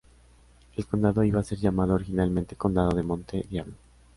El condado iba a ser llamado originalmente Condado de Monte Diablo.